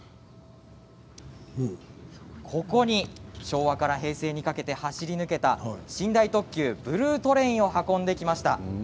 ここに昭和から平成にかけて走り抜けた寝台特急ブルートレインを運んできました。